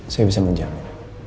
saya bisa menjamin